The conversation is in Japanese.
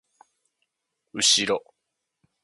うしろ